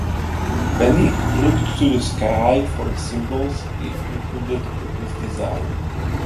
Benny looked to the sky for the symbols he included in his design.